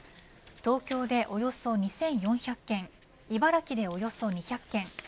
東京でおよそ２４００軒茨城でおよそ２００軒